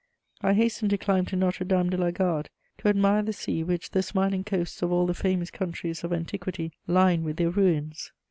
I hastened to climb to Notre Dame de la Garde, to admire the sea which the smiling coasts of all the famous countries of antiquity line with their ruins.